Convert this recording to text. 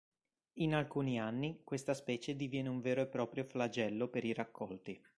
In alcuni anni questa specie diviene un vero e proprio flagello per i raccolti.